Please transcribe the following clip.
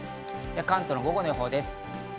関東の午後の予報です。